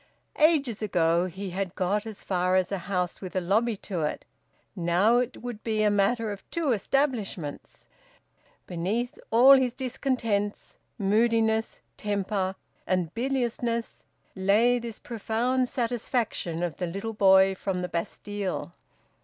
Ages ago he had got as far as a house with a lobby to it. Now, it would be a matter of two establishments. Beneath all his discontents, moodiness, temper, and biliousness, lay this profound satisfaction of the little boy from the Bastille.